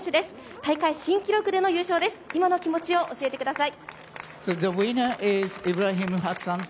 大会新記録での優勝です、今の気持ちを教えてください。